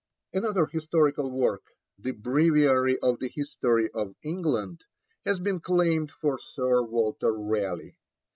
Another historical work, the Breviary of the History of England, has been claimed for Sir Walter Raleigh.